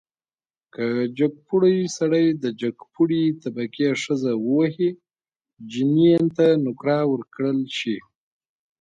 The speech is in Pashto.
که جګپوړی سړی د جګپوړي طبقې ښځه ووهي، جنین ته نقره ورکړل شي.